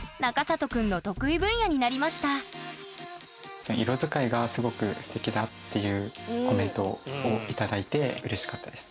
以来「色づかいがすごくステキだ」っていうコメントを頂いてうれしかったです。